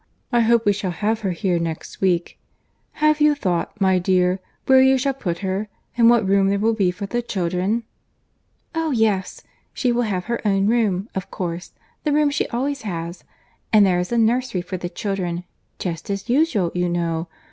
I hope we shall have her here next week. Have you thought, my dear, where you shall put her—and what room there will be for the children?" "Oh! yes—she will have her own room, of course; the room she always has;—and there is the nursery for the children,—just as usual, you know.